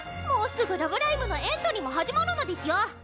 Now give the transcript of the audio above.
もうすぐ「ラブライブ！」のエントリーも始まるのデスよ！